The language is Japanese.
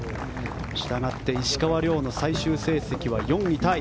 したがって石川遼の最終成績は４位タイ。